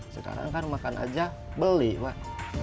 sekarang kan makan aja beli pak